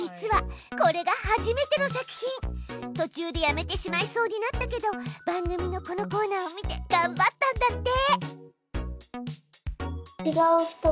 とちゅうでやめてしまいそうになったけど番組のこのコーナーを見てがんばったんだって。